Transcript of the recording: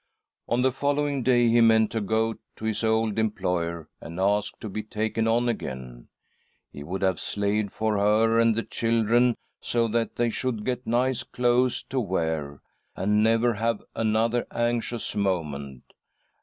On the following day he meant to go to his old employer and ask to be taken on again. He would have slaved for her and the children, so that they should get nice clothes to wear, and never have another anxious moment.